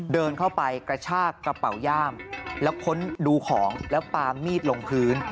เดินเข้าไปกระชากกระเป๋าย่ามแล้วค้นดูของแล้วปามมีดลงพื้น